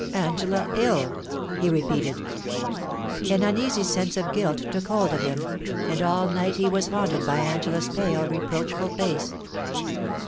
* Angela ill !' he repeated An uneasy sense of guilt took hold of him, and all night he was haunted by Angela's pale, reproachful face.